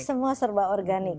semua serba organik